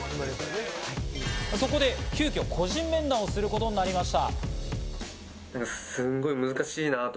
そこで、急きょ個人面談をすることになりました。